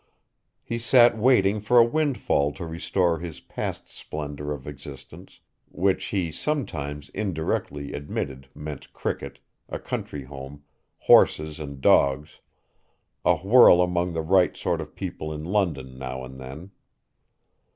He sat waiting for a windfall to restore his past splendor of existence, which he sometimes indirectly admitted meant cricket, a country home, horses and dogs, a whirl among the right sort of people in London now and then.